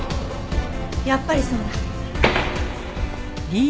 やっぱりそうだ。